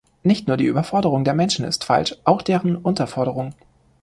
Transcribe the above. Nicht nur die Überforderung der Menschen ist falsch, auch deren Unterforderung.